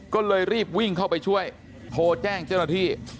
ก็เลยรีบวิ่งเข้าไปช่วยโทรแจ้งเจ้าหน้าที่